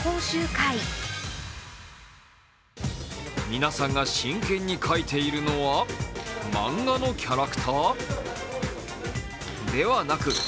皆さんが真剣に描いているのは漫画のキャラクター？